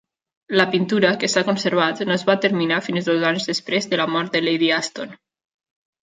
La pintura, que s'ha conservat, no es va terminar fins dos anys després de la mort de Lady Aston.